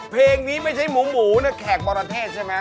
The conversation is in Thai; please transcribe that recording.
เพลงนี้ไม่ใช่หมูนะแขกประเทศใช่ไหม